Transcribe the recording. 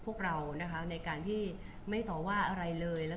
บุ๋มประดาษดาก็มีคนมาให้กำลังใจเยอะ